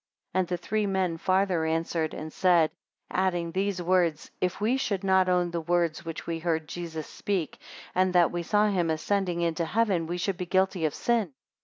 24 And the three men farther answered, and said, adding these words, If we should not own the words which we heard Jesus speak, and that we saw him ascending into heaven, we should be guilty of sin.